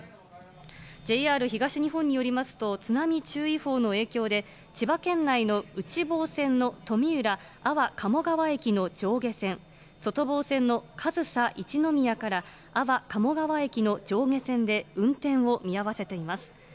ＪＲ東日本によりますと、津波注意報の影響で、千葉県内の内房線の富浦・安房鴨川駅の上下線、外房線の上総一ノ宮から安房鴨川駅の上下線で運転を見合わせています。